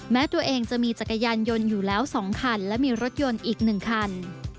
แม้ตัวเองจะมีจักรยานยนต์อยู่แล้ว๒คันและมีรถยนต์อีก๑คัน